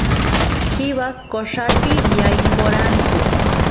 chivas corralpi yaykoranku